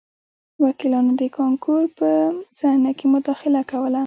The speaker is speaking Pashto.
وکیلانو د کانکور په صحنه کې مداخله کوله